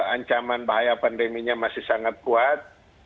ancaman bahaya pandeminya masih sangat kuat